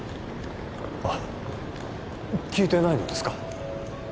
あっ聞いてないのですか？